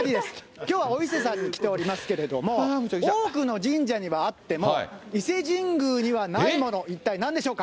きょうはお伊勢さんに来ておりますけれども、多くの神社にはあっても、伊勢神宮にはないもの、一体なんでしょうか。